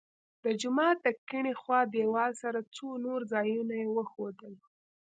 د جومات د کیڼې خوا دیوال سره څو نور ځایونه یې وښودل.